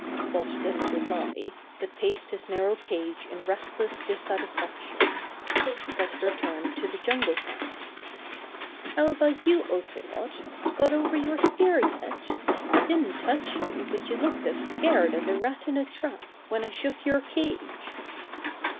Spot didn't reply, but paced his narrow cage in restless dissatisfaction. Buster turned to the Jungle Cat. ^^How about you. Ocelot! Got over your scare yet? I didn't touch you, but you looked 87 88 Buster the Bear as scared as a rat in a trap when I shook your cage."